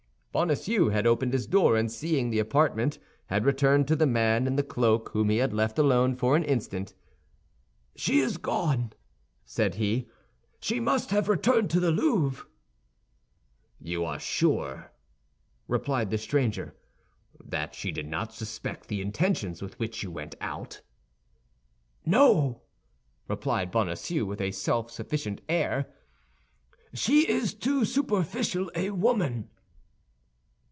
M. Bonacieux had opened his door, and seeing the apartment, had returned to the man in the cloak, whom he had left alone for an instant. "She is gone," said he; "she must have returned to the Louvre." "You are sure," replied the stranger, "that she did not suspect the intentions with which you went out?" "No," replied Bonacieux, with a self sufficient air, "she is too superficial a woman."